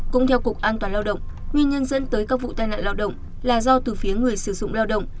cũng theo cục an toàn lao động nguyên nhân dẫn tới các vụ tai nạn lao động là do từ phía người sử dụng lao động